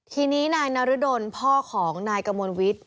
ทีนี้นายนรดลพ่อของนายกระมวลวิทย์